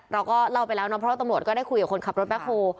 เราก็เล่าไปแล้วเนาะเพราะว่าตำรวจก็ได้คุยกับคนขับรถแบ็คโฮล